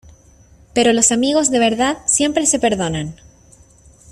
pero los amigos de verdad siempre se perdonan